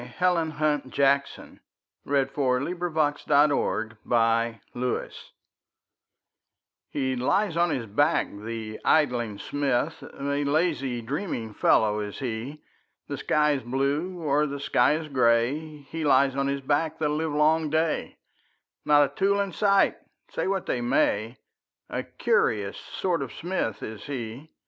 Helen Hunt Jackson The Poet's Forge HE lies on his back, the idling smith, A lazy, dreaming fellow is he; The sky is blue, or the sky is gray, He lies on his back the livelong day, Not a tool in sight, say what they may, A curious sort of smith is he.